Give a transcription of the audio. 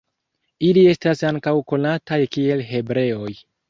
Ili estas ankaŭ konataj kiel hebreoj.